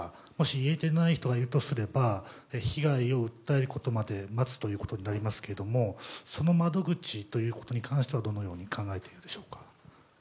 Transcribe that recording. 言えていない人がいるとすれば被害を訴えるまで待つということになりますけどもその窓口ということに関してはどのように考えているでしょうか？